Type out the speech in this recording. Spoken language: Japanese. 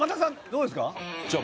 どうですかじゃ